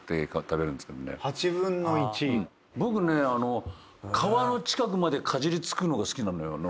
僕ね皮の近くまでかじりつくのが好きなのよ。